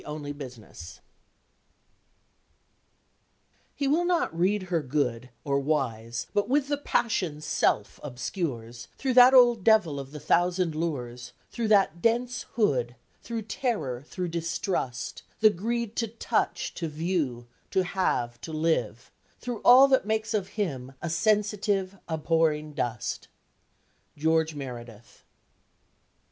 CHAPTER IV PHYSICAL FORCE "He will not read her good, Or wise, but with the passion Self obscures; Through that old devil of the thousand lures, Through that dense hood: Through terror, through distrust; The greed to touch, to view, to have, to live: Through all that makes of him a sensitive Abhorring dust." GEORGE MEREDITH.